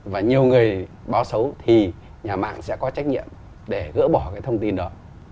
và nhiều người báo xấu thì nhà mạng sẽ có trách nhiệm để gỡ bỏ cái thông tin đó